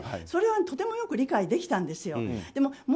それはとてもよく理解できたんです。